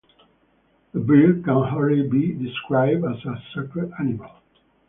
The bear can hardly be described as a sacred animal.